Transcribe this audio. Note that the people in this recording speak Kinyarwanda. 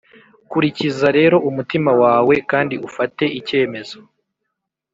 kurikiza rero umutima wawe kandi ufate icyemezo